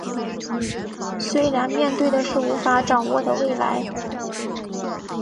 虽然面对的是无法掌握的未来